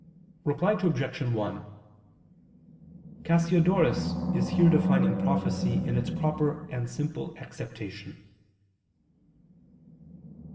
Reply Obj. 1: Cassiodorus is here defining prophecy in its proper and simple acceptation.